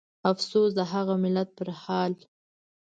افسوس د هغه ملت پرحال